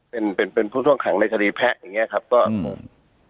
เป็นเป็นเป็นผู้ช่วงขังในทฤแพะอย่างเงี้ยครับก็อืม